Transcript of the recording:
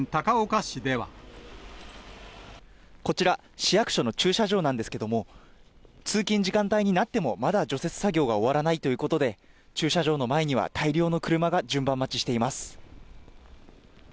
こちら、市役所の駐車場なんですけれども、通勤時間帯になってもまだ除雪作業が終わらないということで、駐車場の前には大量の車が順番待ちしています。